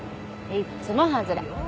いっつも外れ。